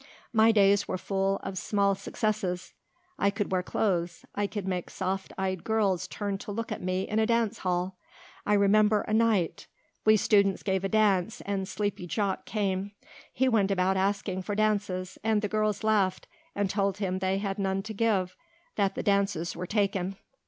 My days were full of small successes. I could wear clothes. I could make soft eyed girls turn to look at me in a dance hall. I remember a night. We students gave a dance and Sleepy Jock came. He went about asking for dances and the girls laughed and told him they had none to give, that the dances were taken.